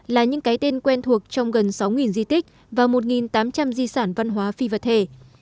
là những cái tên quen thuộc trong gần sáu di tích và một tám trăm linh di sản văn hóa phi vật thể